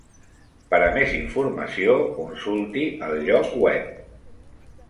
Per a més informació consulti el lloc web.